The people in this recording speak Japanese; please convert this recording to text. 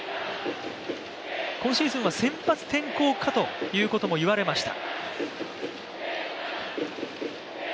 今シーズンは先発転向かともいわれました。